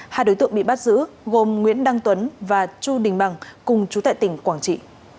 hai đối tượng bị bắt giữ gồm nguyễn đăng tuấn và chu đình bằng cùng chú tại tỉnh quảng trị